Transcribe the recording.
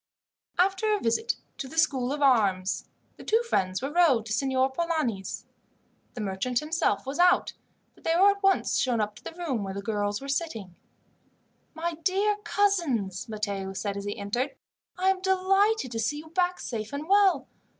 After a visit to the School of Arms, the two friends were rowed to Signor Polani's. The merchant himself was out, but they were at once shown up to the room where the girls were sitting. "My dear cousins," Matteo said as he entered, "I am delighted to see you back safe and well.